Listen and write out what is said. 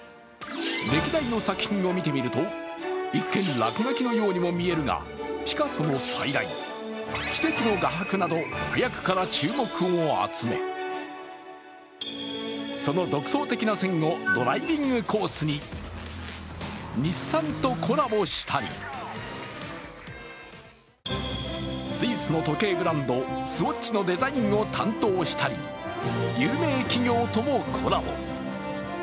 歴代の作品を見てみると一見落書きのように見えるが、ピカソの再来、奇跡の画伯など、早くから注目を集め、その独創的な線をドライビングコースに、日産とコラボしたり、スイスの時計ブランド、スウォッチのデザインを担当したり、有名企業ともコラボ。